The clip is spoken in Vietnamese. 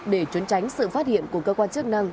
để trốn tránh sự phát hiện của cơ quan chức năng